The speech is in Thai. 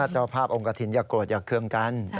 เจ้าภาพองค์กระถิ่นอย่าโกรธอย่าเคืองกัน